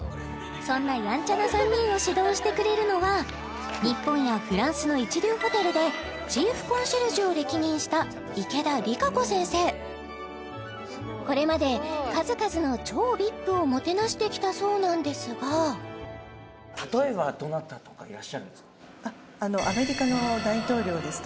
そんなやんちゃ３人を指導してくれるのは日本やフランスの一流ホテルでチーフコンシェルジュを歴任したこれまで数々の超ＶＩＰをもてなしてきたそうなんですが早っ！